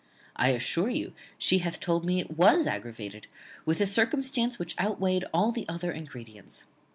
I assure you, she hath often told me it was aggravated with a circumstance which outweighed all the other ingredients.